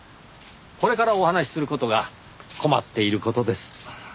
これからお話しする事が困っている事です。